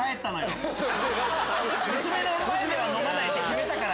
娘の前では飲まないって決めたから。